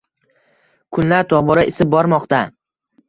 Kunlar tobora isib bormoqda.